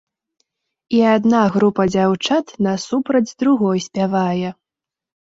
І адна група дзяўчат насупраць другой спявае.